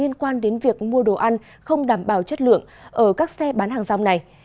những việc mua đồ ăn không đảm bảo chất lượng ở các xe bán hàng rong này